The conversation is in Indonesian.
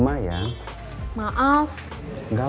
saya terima kasih